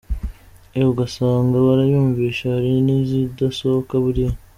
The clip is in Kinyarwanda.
Eeeh ugasanga barayumvise hari n’izidasohoka buriya.